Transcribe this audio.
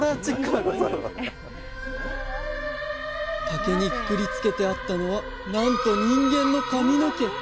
竹にくくりつけてあったのはなんと人間の髪の毛！